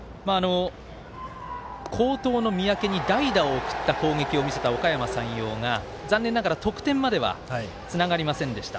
好投の三宅に、代打を送った攻撃を見せたおかやま山陽が残念ながら得点までつながりませんでした。